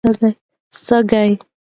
سږی